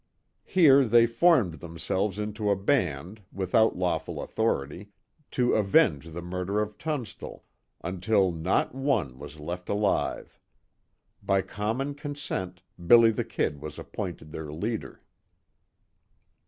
Here they formed themselves into a band, without lawful authority, to avenge the murder of Tunstall, until not one was left alive. By common consent, "Billy the Kid" was appointed their leader.